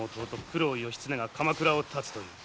九郎義経が鎌倉をたつという。